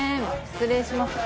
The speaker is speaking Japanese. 失礼します